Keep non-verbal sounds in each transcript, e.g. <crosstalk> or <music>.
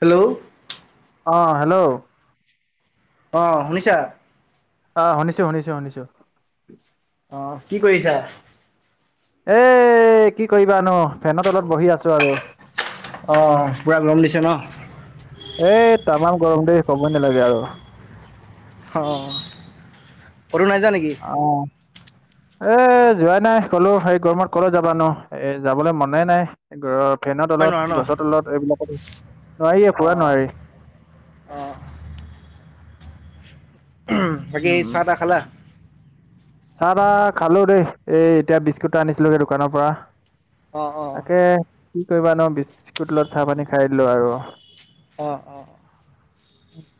Hello অ hello অ শুনিছা? আহ শুনিছো শুনিছো শুনিছো অ কি কৰিছা? এ কি কৰিবানো ফেনত অলপ বহি আছো আৰু অঁ পুৰা গৰম দিছে ন এই টামাম গৰম দেই কব‌ই নালাগে আৰু অ কতো নাই যোৱা নেকি? অ এ যোৱাই নাই কলো হে গৰমত ক'লে যাবানো এ যাবলৈ মানুহ নাই। ফেনৰ নাই নোৱাৰা ন তলত গছৰ তলত এইবিলাকত নোৱাৰি অ পুৰা নোৱাৰি অ বাকী উম চাহ তাহ খালা চাহ তাহ খালো দেই এই এতিয়া বিস্কুট এটা আনিছিলোগে দোকানৰ পৰা অ অ তাকে কি কৰিবা নো বিস্কুটৰ লগত চাহ পানী খাই দিলো আৰু অ অ অ <inaudible>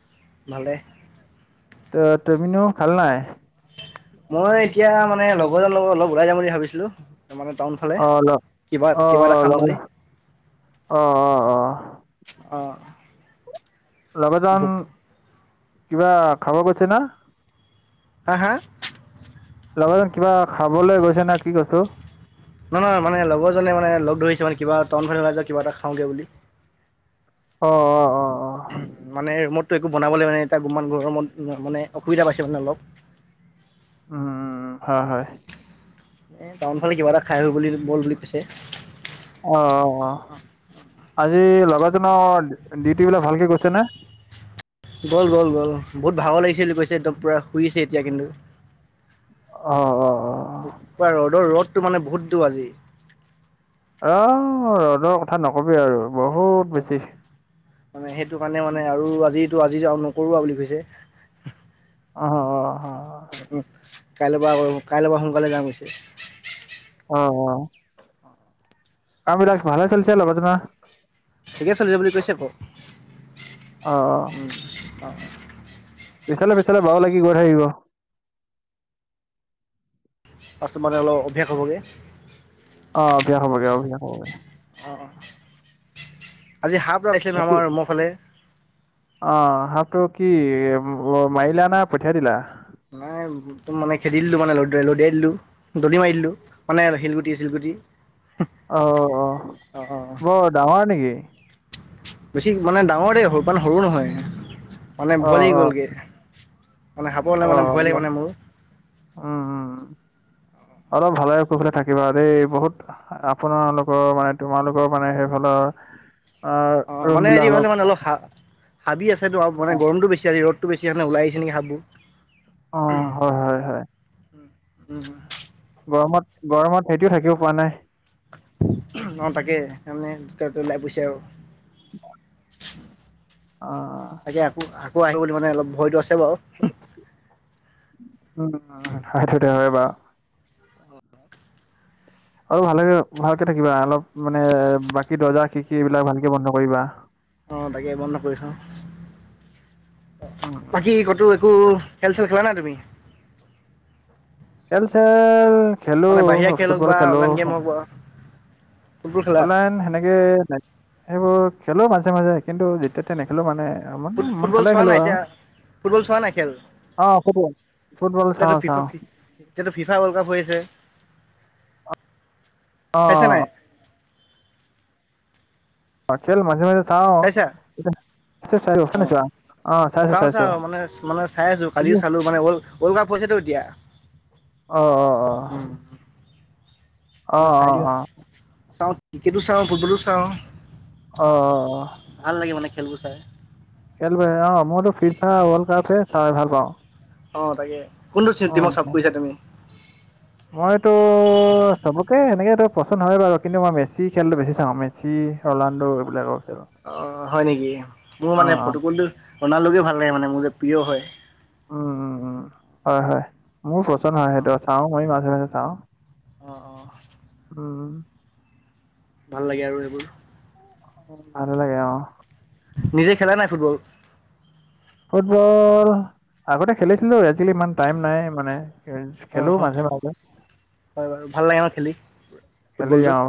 ভালে ত তুমিনো খালা নাই? মই এতিয়া মানে লগৰজন লগৰ অলপ ওলাই যাম বুলি ভাবিছিলো। আহ অ এটা খাম বুলি অ আহ অ অ অঁ লগৰ জন কিবা খাব গৈছে না হা হা লগৰ জন কিবা খাবলৈ গৈছে না কি কৈছো নহয় নহয় মানে লগৰজনে মানে লগ ধৰিছে মানে কিবা টাউন ফালে জাই কিবা এটা খাওঁগে বুলি অ অ অ অ'। উ মানে মোৰ একো বনাবলৈ মানে একো বনাবলে গৰমত মানে অসুবিধা পাইছে মানে অলপ উম হয় হয় এ টাউন ফালে কিবা এটা খাই আহো বুলি বল বুলি কৈছে অ আজি লগাৰজনৰ ডিউটি বিলাক ভালকে গৈছে নে। গ'ল গ'ল গ'ল বহুত ভাগৰ লাগিছে বুলি কৈছে একদম পুৰা শুই আছে এতিয়া কিন্তু অ অ অ পোৰা ৰ'দৰ ৰ'দটো মানে বহুত তো আজি আহ ৰ'দৰ কথা নকবি আৰু বহুত তোমাৰ বেছি মানে সেইটো কাৰণে মানে আৰু আজি আজিটো আৰু নকৰো বা বুলি কৈছে উ অ', অ', অ', উ <inaudible> কাইলৈ পৰা কাইলৈ পৰা সোনকালে যাম কৈছে। আহ অ কাম বিলাক ভালে চলিচে লগৰ জনৰ ঠিকে চলিছে বুলি কৈছে। ক অ', অ'। উম অ। পিছলে পিছলে বাৰু লাগি গৈ থাকিব। মানে অলপ অভ্যাস হ'বগে। অ অভ্যাস হবগে, অভ্যাস হবগে। অ-অ। আজি সাপ এডাল আহিছিলে নহয় আমাৰ ৰুমৰ ফালে। টো কি মাৰিলা না পঠিয়াই দিলা? নাই তম মানে খেদি দিলো। মানে ল লদিয়াই দিলো দলি মাৰি দিলো মানে শিলগুটি চিলগুটি। অ অঁ অঁ বৰ ডাঙৰ নেকি বেছি মানে ডাঙৰ দেই সিমান সৰু নহয় সৰু নহয় মানে অ ভয় লাগি অ গলগে মানে সাপলে অ মানে ভয় লাগে অলপ মানে মোৰ উম উম অলপ ভালে কুশলে থাকিবা দেই বহুত আপোনালোকৰ মানে তোমালোকৰ মানে সেই ফালে অ অ মানে হেৰিফালে মানে অলপ হা হাবি আছে টো আও মানে অ গৰমটো বেছি ৰ'দটো বেছি সেইকাৰণে ওলাই আহিছে নেকি সাপবোৰ অ হয় হয় হয় উম হম গৰমত গৰমত সেতিও থাকিব পৰা নাই। অ তাকে। তামানে দুটা জো ওলাই গৈছে আও। <inaudible> অ তাকে আকৌ আকৌ আহিব বুলি মানে অলপ ভয়তো আছে বাও। উম, সেইতোটো হয় বা। আৰু ভালে ভালকে থাকিবা। অলপ মানে বাকী দৰ্জা খিৰিকি এইবিলাক ভালকে বন্ধ কৰিবা। অ তাকে বন্ধ কৰিছো। উম বাকী কতো একো খেল-চেল খেলা নাই তুমি? খেল-চেল খেলো, মানে বাহিৰা খেল হওক ফুটবল বা খেলো। অনলাইন গেম হওক বা ফুটবল খেলা অনলাইন সেনেকে সেইবোৰ খেলো মাজে মাজে কিন্তু যেতিয়া তেতিয়া নেখেলো মানে। ৰুমতে ফুট মন ফুটবল খালে চোৱা খেলো নাই আও। এতিয়া ফুটবল চোৱা নাই খেল অহ ফুটবল, ফুটবল এতিয়াতো চাও, ফিফা চাও। ফি এতিয়াতো ফিফা ৱৰ্ল্ড কাপ হৈ আছে। অ। চাইছা নাই অ, খেল মাজে মাজে চাও। চাইছা <unintelligible> চাও, চাও মানে মানে চাই আছো। তুমি কালিও চালো, মানে ৱৰ্লড ৱৰ্ল্ড কাপ হৈছেতো এতিয়া। অহ অ-অ। উম। চাই দিও, চাও। ক্ৰিকেটো চাও ফুটবলো চাও। অ' অ। ভাল লাগে মানে খেলবোৰ চাই। খেল অ মইতো ফিফা ৱৰ্লড কাপহে চাই ভাল পাওঁ। অ তাকে কোনটো চে অ' টিমক অ। চাপৰ্ট কৰিছা তুমি? মইতো চবকে সেনেকেতো পচন্দ হয় বাৰু। কিন্তু মই মেচি খেলটো বেছি চাও। মেচি ৰনাল্ডো এইবিলাকৰ। খেল। অ হয় নেকি? মোৰ অ' মানে অ'। পটকলটো ৰনাল্ডোকে ভাল লাগে মানে মোৰ যে প্ৰিয় হয়। উম-উম-উম, হয়-হয়। মোৰ পচন্দ হয় সেইটো। চাও মই মাজে মাজে চাওঁ। অ-অ। উ। ভাল লাগে আৰু এইবোৰ। ভাল লাগে অ। নিজে খেলা নাই ফুটবল? ফুটবল আগতে খেলিছিলো। আজি-কালি ইমান টাইম নাই মানে। খেলো অ' হয় মাজে-মাজে। হয় বাৰু ভাল লাগে ন খেলি খেলি ফুটবলটো যাওঁ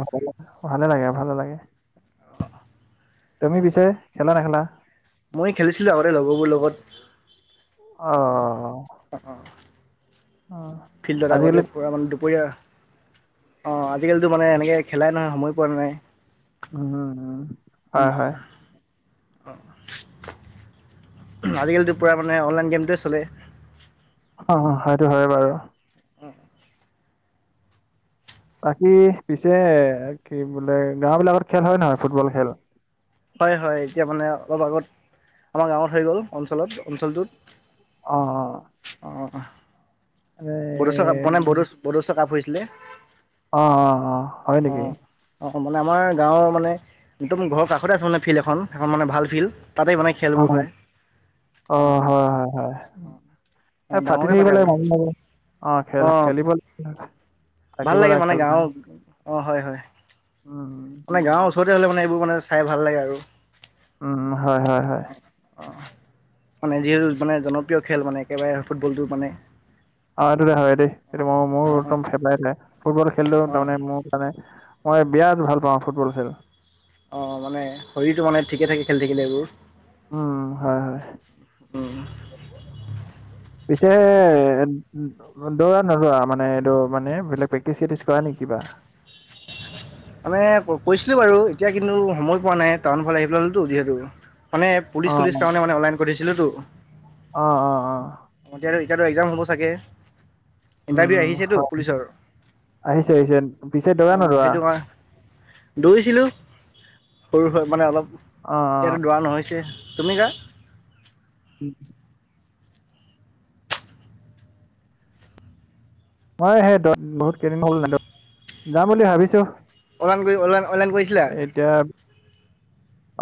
ভালে লাগে ভালে লাগে অ। তুমি পিছে খেলা নেখেলা? ময় খেলিছিলোঁ আগতে লগৰবোৰ অ লগত। অঁ অঁ। অ ফিল্ডত আজিকালি আগতে পূৰা মানে দুপৰীয়া অ আজিকালিতো মানে এনেকে খেলাই নহয় সময় পোৱা ন নাই। উমম উম হয় হয়। <inaudible> আজিকালিটো পোৰা মানে অনলাইন গেমটোৱে চলে। অ-অ হয়টো হয় বাৰু। অ। বাকী পিছে কি বোলে গাওঁবিলাকত খেল হয় নহয় ফুটবল খেল? হয়-হয়। এতিয়া মানে অলপ আগত আমাৰ গাঁৱত হৈ গ'ল, অঞ্চলত অঞ্চলটোত। অ-অ। বড়োচা কাপ মানে বৰুচ বড়োচা কাপ হৈছিলে। অ-অ-অ, হয় নেকি? অ, মানে আমাৰ গাঁৱৰ মানে একদম ঘৰৰ কাষতে আছে মানে ফিল্ড এখন, এখন মানে ভাল ফিল্ড। তাতেই মানে অ খেলবোৰ হয়। অ অঁ হয় হয় হয় এ মানে ফাটি ডাঙৰকৈ থাকিব পাতে লাগে আৰু মাজে মাজে। অ খেল অঁ খেলিব ভাল থাকিব লাগে মানে খেল গাঁৰ অ হয় হয়। উম মানে গাঁৱৰ ওচৰতে হ'লে মানে এইবোৰ মানে চাই ভাল লাগে আৰু। উম হয় হয় হয়। মানে যিহেতু মানে জনপ্ৰিয় খেল মানে একেবাৰে ফুটবলটো মানে অ এইটো দে হয় দেই, এইটো ম মোৰ অঁ অঁ একদম ফেভাৰেট লাইন, ফুটবল খেলিলো অঁ তাৰমানে মোৰ মানে মই বিৰাট ভাল পাওঁ ফুটবল খেল। অঁ মানে শৰীৰটো মানে ঠিকে থাকে খেলি থাকিলে এইবোৰ। উম হয় হয় উম্। পিছে দৌৰা নদৰা মানে এইটো মানে বেলেগ প্ৰেক্টিচ চেক্টিচ কৰা নেকি বা? <unintelligible> মানে কৈছিলো বাৰু এতিয়া কিন্তু সময় পোৱা নাই টাউন ফল আহি পেলাইতো যিহেতু। মানে পুলিচ চুলিচ কাৰণে মানে অনলাইন কৰিছিলোতো আহ অ অ। এতিয়াতো এক্জাম হ'ব চাগে? উম ইণ্টাৰভিউ উম আহিছেতো হয় পুলিচৰ, আহিছে আহিছে পিছে অ দৌৰা নদৌৰা সেইটো হয় দৌৰিছিলোঁ সৰু হৈ মানে অলপ অ অ ইয়াতে দৌৰা নহৈছে। তুমি জা? উম। মই সেই বহুত কেইদিন হল নাইজুৱা, যাম বুলি ভাবিছো। অনলাইন কৰি অনলাইন অনলাইন কৰিছিলা? এতিয়া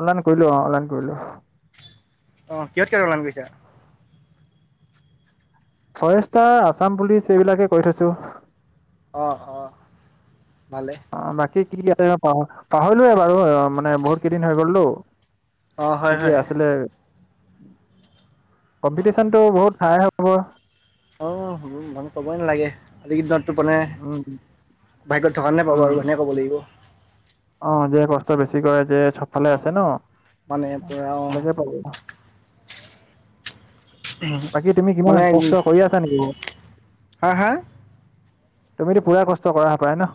অনলাইন কৰিলো অ অনলাইন কৰিলো। অ কিহত কিহত অনলাইন কৰিছা? ফৰেষ্টা আছাম পুলিচ এইবিলাকে কৰি থৈছো। আহ অ। ভালে অ বাকী কি কি আছে পাহৰিলোয়ে বাৰু মানে বহুত কেইদিন হৈ গলটো। অ' হয় কি কি হয় আছিলে? অ' কম্পিটিশনতটো বহুত খাই হ'ব। অ মানু ক'বই নালাগে আজিকেইদিনত টো মানে উম ভাইকত থকাৰ <unintelligible> পাব আৰু সেনেকে ক'ব লাগিব। অহ, যে কষ্ট বেছি কৰে যে চবফালে আছে অ' ন' মানে পুৰা অ' <unintelligible> বাকী তুমি কিমান মানে কষ্ট কৰি আছা নেকি? হা হা তুমিতো পুৰা কষ্ট কৰা হপাই ন?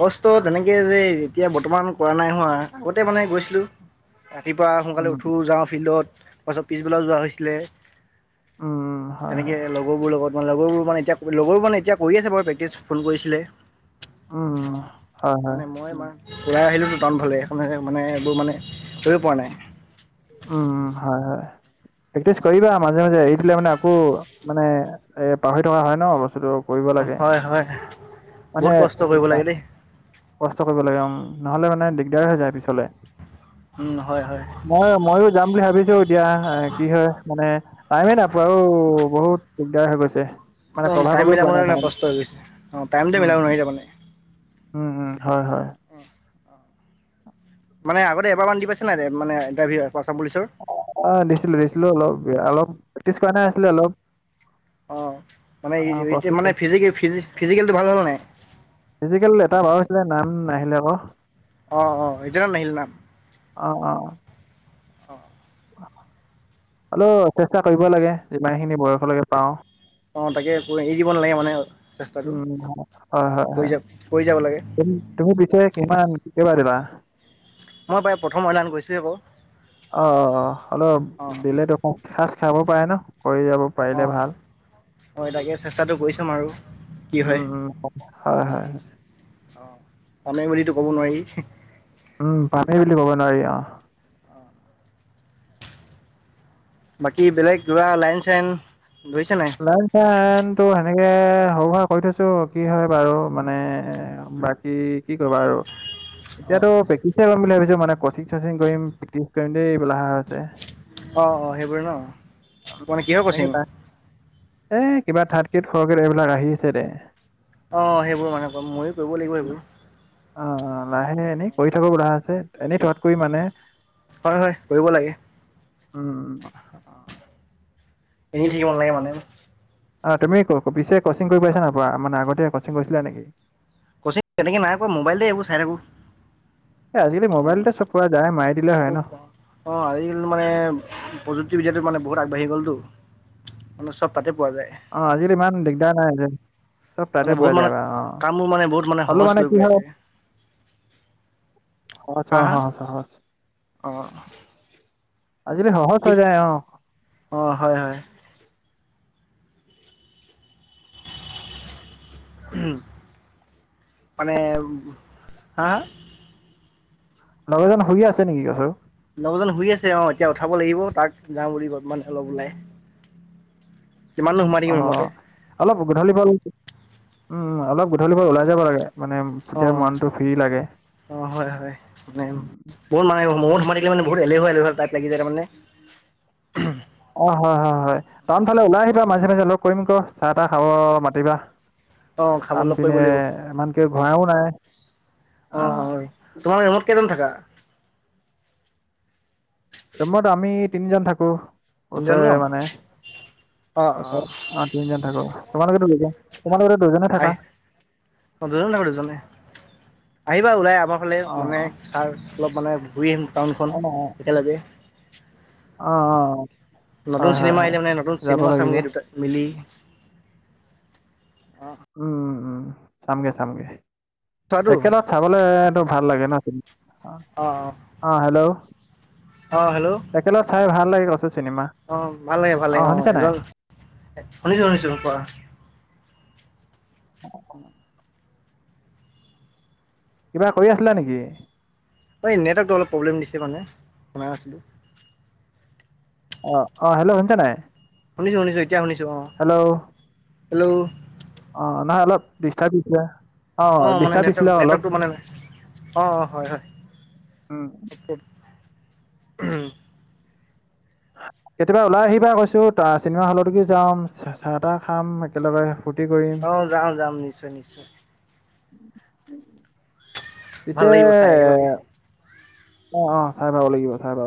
কষ্ট তেনেকে যে এতিয়া বৰ্তমান কৰা নাই হোৱা, আগতে মানে গৈছিলো। ৰাতিপুৱা সোনকালে উম উঠো যাওঁ ফিল্ডত তাৰপাছত পিছবেলাও যোৱা হৈছিলে। উম উম হয় তেনেকে হয় লগৰবোৰ লগত মানে লগৰবোৰ মানে এতিয়া লগৰবোৰ মানে এতিয়া কৰি আছে বাৰু প্ৰেক্টিচ ফুন কৰিছিলে। উম- উম, অঁ হয় -হয়। মানে মই ইমান ওলাই আহিলোঁ টাউনফালে এখন মানে এইবোৰ মানে কৰিব পৰা নাই। উম হয় হয়। প্ৰেক্টিচ কৰিবা মাজে মাজে এৰি দিলে মানে আকৌ মানে এ পাহৰি থকা হয় ন বস্তুতটো। কৰিব লাগে হয় হয় মানে বহুত কষ্ট কৰিব লাগে দেই কষ্ট কৰিব লাগে। নহলে মানে দিগদাৰ হৈ যায়। পিছলে। উম হয় হয়। মইয়ো যাম বুলি ভাবিছো, এতিয়া কি হয় মানে টাইমেই নাপাও অও। বহুত দিগদাৰ হৈ গৈছে। মানে একদম কভাৰ টাইম কৰিবই মিলাব পোৱা নাই নোৱাৰানে টাইম কষ্ট হৈ গৈছে, অঁ টাইমটো উম মিলাব নোৱাৰি তাৰমানে। উম উম হয় হয়। অহ <inaudible> মানে আগতে এবাৰমান দি পাইচা নাই মানে ইণ্টাৰভিউ আৰ? অহ, দিছিলো -দিছিলো, অলপ -অলপ প্ৰেকটিছ কৰা নাই আছিলে অলপ। অহ, মানে অ কষ্ট -মানে ফিজিকেলটো ভাল হল নাই? ফিজিকেল এটা বাও হৈছিলে নাম নাহিলে আক। অহ - অহ হেইজনৰ নাহিল নাম অ <inaudible> অহ হলো চেষ্টা কৰিব লাগে যিমানখিনি বয়সলৈকে পাওঁ। অহ, তাকে এৰি দিব নালাগে মানে চেষ্টাটো উম, হয় -হয় কৰি -হয়। যাব কৰি যাব লাগে তুমি পিছে কিমান কেইবাৰ দিবা? <inaudible> মই প্ৰায় প্ৰথম অইলান গৈছোঁহে আকৌ অহ অলপ অঁ দিলে দেখো খাজ খাব পাৰে ন'? কৰি যাব পাৰিলে অহ, ভাল। হয় তাকে চেষ্টাটো কৰি চাম আৰু। কি হয় উম- উম, হয় -হয়। পামে বুলিতো ক'ব নোৱাৰি। উম, পামেই বুলি কব নোৱাৰি অহ। বাকী বেলেগ ধৰা লাইন -চাইন ধৰিছে নাই লাইন চাইনটো সে এনেকে সৰু -সুৰা কৰি থৈছো, কি হয় বাৰু মানে বাকী কি কৰিবা আৰু অঁ এতিয়াতো প্ৰেক্টিচ কৰিম বুলি ভাবিছো মানে কছিং -চচিং কৰিম প্ৰেক্টিছ কৰিম দেই বুলি আহা হৈছে। অহ -অহ সেইবোৰে ন', মানে কিহৰ কচিং? এ কিবা থাৰ্দগ্ৰেড ফথগ্ৰেড এইবিলাক আহি আছে দে। অহ, সেইবোৰ মানে কম মইয়ো কৰিব লাগিব এইবোৰ। অহ, লাহে- লাহে এনেই কৰি থাকো বোলা হৈছে। এনেই থকাতকৈ মানে হয়- হয় কৰিব লাগে। উম এনেই থাকিব নালাগে মানে। অহ, তুমি পিছে কচিং কৰি পাইছা নাইপুৱা, মানে আগতে কচিং কৰিছিলা নেকি? কচিং তেনেক নাইকৰা মোবাইলতে এইবোৰ চাই থাকোঁ। এ আজিকালি মোবাইলতে চব পোৱা যায়। মাৰি দিলে হয় ন অহ বা আজিকালিটো মানে প্ৰযুক্তিবিদ্যাটো মানে বহুত আগবাঢ়ি গ'লটো, মানে চব তাতে পোৱা যায় অ আজিকালি ইমান ডিগদাৰ নাই যে। চব মানে তাতে বহুত পোৱা মানে যায় বা অ কামবোৰ মানে বহুত হ'লেও সহজ মানে কৰি কি হয়। পেলাইছে আছা হা চ অঁ আজি কালি সহজ কি হৈ যায় অ অঁ হয় হয় <inaudible> মানে হা লগৰজন শুই আছে নেকি কৈছোঁ। লগৰজন শুই আছে অ এতিয়া উঠাব লাগিব তাক যাওঁ বুলি মানে অলপ ওলাই। কিমাননো সোমাই থাকিম অহ, ৰুমতে অলপ গধূলি বল, উম অলপ গধূলি বল ওলাই যাব লাগে। মানে অহ তেতিয়া মনটো ফ্ৰী লাগে - অহ -হয় -হয় মানে উম, বহুত মানে <unintelligible> মানে বহুত এলেহুৱা -এলেহুৱা তাইপ লাগি যায় তাৰ মানে। অহ, হয় -হয় -হয় টাউন ফালে ওলাই আহিবা মাজে -মাজে লগ কৰিম কিয় চাহ -তাহ খাব মাতিবা। অঁ খাব লগ কৰিব টাউনপিনে ইমানকে ঘূৰাও নাই। অহ - আহ অহ তোমাৰ ৰুমত কেইজন থাকা? ৰুমত আমি তিনিজন থাকো। তিনিজন ন ওচৰে মানে অঁ অঁ অহ তিনিজন থাকো তোমালোকেতো দুজন? তোমালোকেতো দুজনে আই থাকা তসন্তৰোঁ যাব দুজনে,? আহিবা ওলাই আমাৰ ফালে অ মানে তাৰ অলপ মানে। ঘূৰি আহিম টাউনখন অ একেলগে। অ অ নতুন হয় হয় চিনেমা হয় আহিলে মানে নতুন যাব চিনেমা লাগিব চামগৈ দুটাত মিলি। অ উম উম চামগে চামগে চোৱাটো একেলগ চাবলে ত ভাল লাগে ন অ অ হেল্ল' অ অ হেল্ল' একেলগে চাই ভাল লাগে কৈছোঁ। অ ভাল লাগে ভাল লাগে অ এজন, শুনিছো শুনিছো কোৱা অ ক <inaudible> কিবা কৰি আছিলা নেকি? এই নেটৱৰ্কটো অলপ প্ৰব্লেম দিছে মানে শুনা নাছিলোঁ। অ অ হেল্ল' শুনিছা নাই। শুনিছা শুনিছোঁ। হেল্ল' আহ নহয় অলপ দিষ্টা অ মানে নেটৰ্ নেটৱৰ্কটো মানে অ অ হয় হয়। অ উম কেতিয়াবা ওলাই আহিবা কৈছো ত চিনেমা হলত দিগি যাম চাহ তাহ খাম একেলগে। ফূৰ্তি কৰিম অ যাম যাম নিশ্চয় নিশ্চয়। পিছে ভাল লাগিব চাই একেলগে অ অ চাই পাব লাগিব চাই পাব